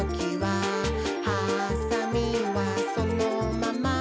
「はさみはそのまま、」